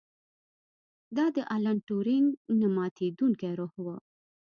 دا د الن ټورینګ نه ماتیدونکی روح و